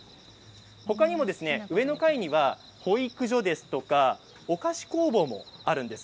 他にも上の階には保育所ですとかお菓子工房もあるんです。